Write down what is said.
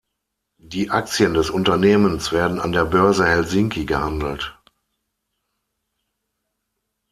Die Aktien des Unternehmens werden an der Börse Helsinki gehandelt.